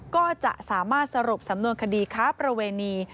ก็จะสามารถสรุปสำนวนคดีค้าประเวณี